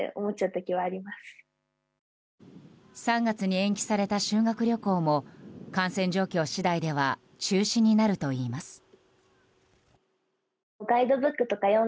３月に延期された修学旅行も感染状況次第では中止になるといいます。